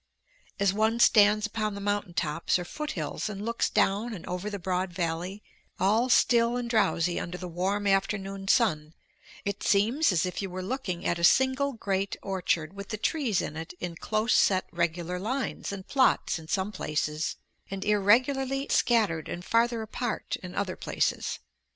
As one stands upon the mountain tops or foothills and looks down and over the broad valley, all still and drowsy under the warm afternoon sun, it seems as if you were looking at a single great orchard with the trees in it in close set regular lines and plots in some places, and irregularly scattered and farther apart in other places.